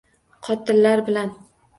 Qotillar bilan